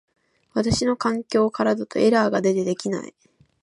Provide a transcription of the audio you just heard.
私の環境からだとエラーが出て出来ない